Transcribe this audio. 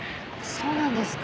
そうなんですか。